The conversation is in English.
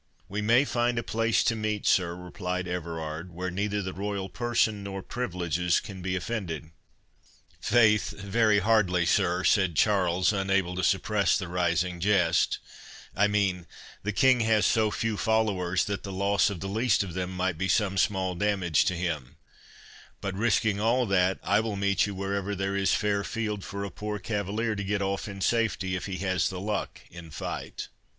"We may find a place to meet, sir," replied Everard, "where neither the royal person nor privileges can be offended." "Faith, very hardly, sir," said Charles, unable to suppress the rising jest—"I mean, the King has so few followers, that the loss of the least of them might be some small damage to him; but, risking all that, I will meet you wherever there is fair field for a poor cavalier to get off in safety, if he has the luck in fight."